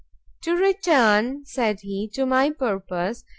"To return," said he, "to my purpose.